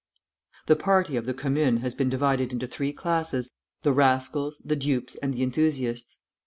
The party of the Commune has been divided into three classes, the rascals, the dupes, and the enthusiasts.